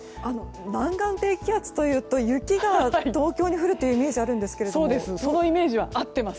南岸低気圧というと雪が東京に降るというそのイメージは合っています。